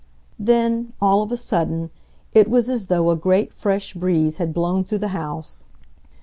Then, all of a sudden, it was as though a great, fresh breeze had blown through the house.